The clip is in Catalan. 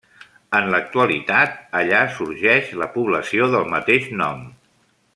En l'actualitat allà sorgeix la població del mateix nom.